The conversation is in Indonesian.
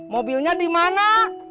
mobilnya di mana